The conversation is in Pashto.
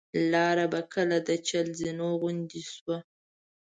لاره به کله د چهل زینو غوندې شوه.